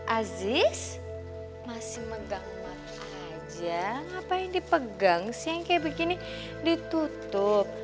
aziz masih megang mata aja ngapain dipegang sih yang kayak begini ditutup